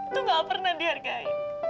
itu gak pernah dihargain